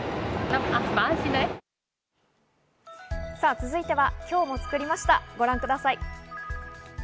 続いては今日も作りました、ご覧ください。